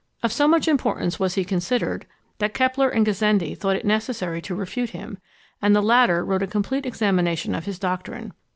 Of so much importance was he considered, that Keppler and Gassendi thought it necessary to refute him; and the latter wrote a complete examination of his doctrine.